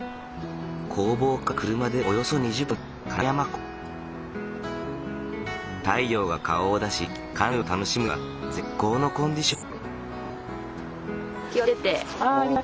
工房から車でおよそ２０分の太陽が顔を出しカヌーを楽しむには絶好のコンディション。